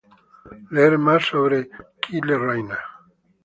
Leer más sobre Kyle Rayner.